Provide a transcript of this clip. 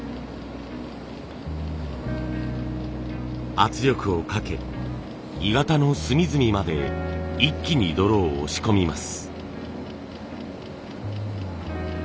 圧力をかけ鋳型の隅々まで一気に泥を押し込みます。